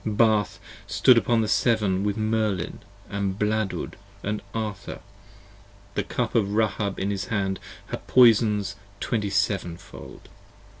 Bath stood upon the Severn with Merlin & Bladud & Arthur, The Cup of Rahab in his hand: her Poisons Twenty seven fold.